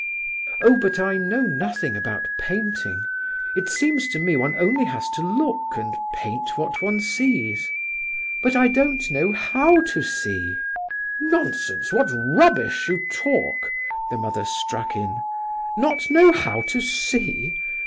"Oh, but I know nothing about painting. It seems to me one only has to look, and paint what one sees." "But I don't know how to see!" "Nonsense, what rubbish you talk!" the mother struck in. "Not know how to see!